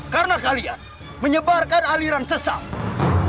karena kalian menyebarkan aliran sesat